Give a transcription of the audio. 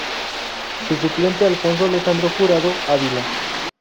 Su suplente, Alfonso Alejandro Jurado Ávila.